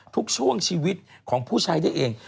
ทุกช่วงชีวิตของผู้ใช้ได้เอง